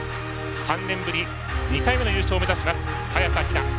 ３年ぶり２回目の優勝を目指します、早田ひな。